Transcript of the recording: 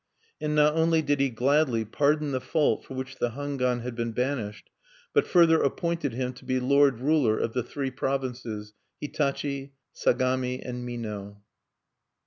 And not only did he gladly pardon the fault for which the Hangwan had been banished, but further appointed him to be lord ruler of the three provinces, Hitachi, Sagami, and Mino.